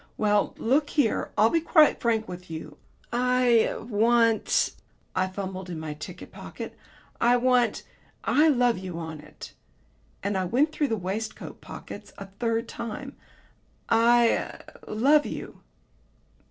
"Well, look here, I'll be quite frank with you. I er want " I fumbled in my ticket pocket, "I want 'I love you' on it," and I went through the waistcoat pockets a third time. "'I er love you.'"